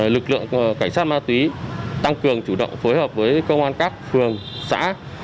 lực lượng cảnh sát ma túy tăng cường chủ động phối hợp với công an các phường xã